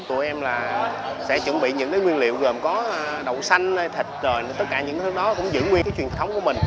tụi em là sẽ chuẩn bị những cái nguyên liệu gồm có đậu xanh thịt rồi tất cả những thứ đó cũng giữ nguyên cái truyền thống của mình